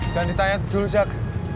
jangan ditanya tidur zak